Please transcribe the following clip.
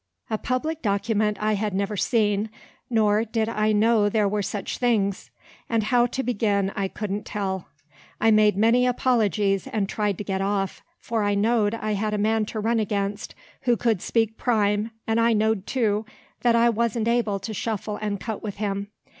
A public document I had never seen, nor did I know there were such things; and how to begin I couldn't tell. I made many apologies, and tried to get off, for I know'd I had a man to run against who could speak prime, and I know'd, too, that I wa'n't able to shuffle and cut with him.